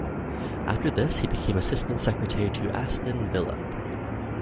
After this he became assistant secretary to Aston Villa.